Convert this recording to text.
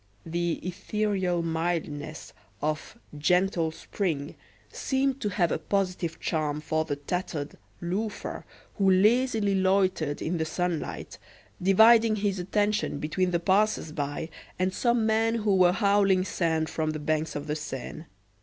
The "ethereal mildness" of "gentle spring" seemed to have a positive charm for the tattered "loafer" who lazily loitered in the sunlight, dividing his attention between the passers by and some men who were hauling sand from the banks of the Seine.